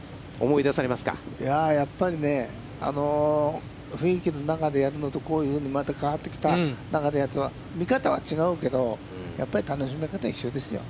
いやぁ、やっぱりね、あの雰囲気の中でやるのと、こういうふうにまた変わってきた中でやるのとは、見方は違うけど、やっぱり楽しみ方は一緒ですよ。